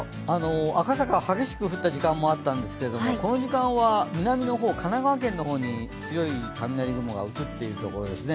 赤坂、激しく降った時間もあったんですけど、この時間は南の方、神奈川県の方に強い雷雲が移ってるところですね。